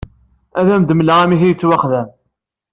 Ad m-d-mleɣ amek i yettwaxdem.